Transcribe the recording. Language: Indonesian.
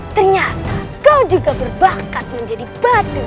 ternyata kau juga berbakat menjadi batu